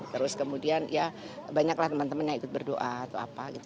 terus kemudian ya banyak lah temen temen yang ikut berdoa atau apa gitu